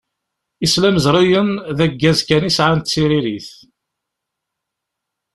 Islamẓriyen d aggaz kan i sɛan d tiririt.